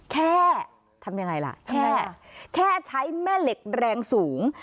แค่ทำยังไงล่ะแค่ใช้แม่เหล็กแรงสูง